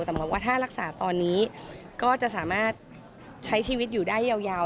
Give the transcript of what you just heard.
แต่หมอบอกว่าถ้ารักษาตอนนี้ก็จะสามารถใช้ชีวิตอยู่ได้ยาว